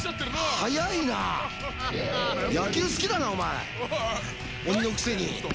速いな、野球好きだな、鬼のくせに。